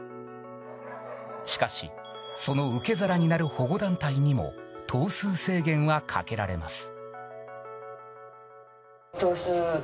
しかし、その受け皿になる保護団体にも頭数制限はかけられます。